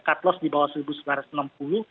cut loss di bawah rp satu sembilan ratus enam puluh